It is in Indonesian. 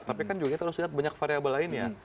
tapi kan juga kita harus lihat banyak variable lainnya